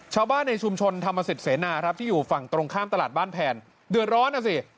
ชาวบ้านในชุมชนธรรมสิทธิเสนาครับที่อยู่ฝั่งตรงข้ามตลาดบ้านแผนเดือดร้อนนะสิ